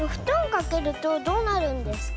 かけるとどうなるんですか？